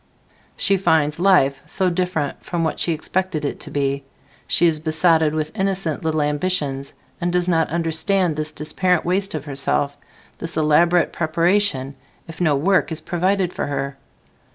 She finds "life" so different from what she expected it to be. She is besotted with innocent little ambitions, and does not understand this apparent waste of herself, this elaborate preparation, if no work is provided for her.